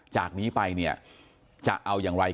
จากนี้ไปเนี่ยจะเอาอย่างไร